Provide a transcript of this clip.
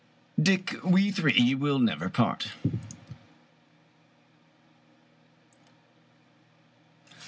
Dick, we three will never part